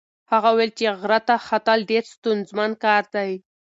هغه وویل چې غره ته ختل ډېر ستونزمن کار دی.